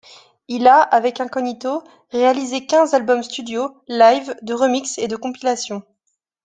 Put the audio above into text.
Il a, avec Incognito, réalisé quinze albums studio, live, de remix et de compilation.